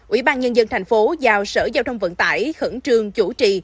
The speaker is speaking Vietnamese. ủy ban nhân dân tp hcm giao sở giao thông vận tải khẩn trương chủ trì